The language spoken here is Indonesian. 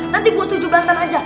nanti buat tujuh belasan aja